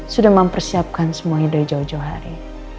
sudah mempersiapkan semuanya dari jauh jauh hari